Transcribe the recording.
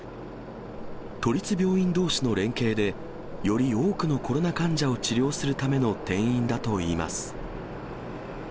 都立病院どうしの連携で、より多くのコロナ患者を治療するための転院だといいます。